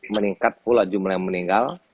meningkat pula jumlah yang meninggal